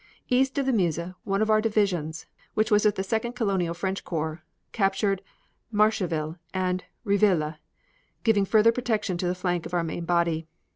East of the Meuse one of our divisions, which was with the Second Colonial French Corps, captured Marcheville and Rieville, giving further protection to the flank of our main body.